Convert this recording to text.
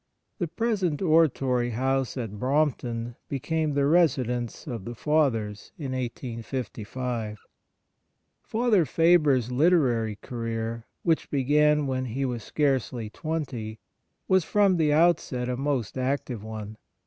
The present Oratory house at Brompton became the residence of the Fathers in 1855. Father Faber's literary career, which began when he was scarcely twenty, w^as from the outset a most active one.